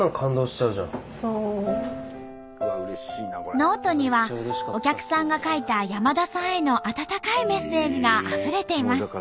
ノートにはお客さんが書いた山田さんへの温かいメッセージがあふれています。